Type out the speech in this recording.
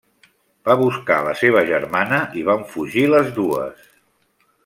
Va buscar la seva germana i van fugir les dues.